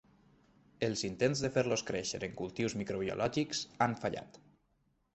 Els intents de fer-los créixer en cultius microbiològics han fallat.